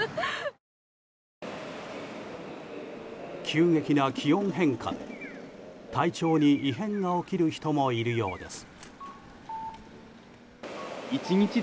急激な気温変化で体調に異変が起きる人もいるようです。